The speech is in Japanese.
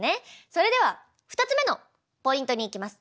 それでは２つ目のポイントにいきます。